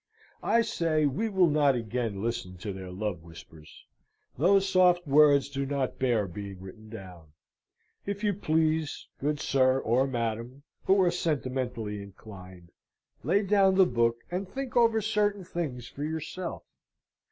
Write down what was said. I say we will not again listen to their love whispers. Those soft words do not bear being written down. If you please good sir, or madam, who are sentimentally inclined lay down the book and think over certain things for yourself.